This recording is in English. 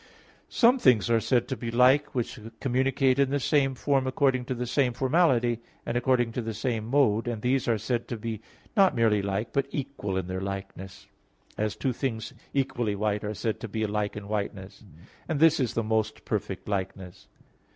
Some things are said to be like, which communicate in the same form according to the same formality, and according to the same mode; and these are said to be not merely like, but equal in their likeness; as two things equally white are said to be alike in whiteness; and this is the most perfect likeness.